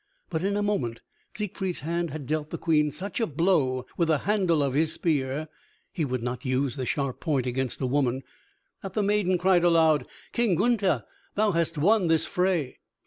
But in a moment Siegfried's hand had dealt the Queen such a blow with the handle of his spear (he would not use the sharp point against a woman) that the maiden cried aloud, "King Gunther, thou hast won this fray."